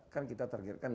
kan kita targetkan lima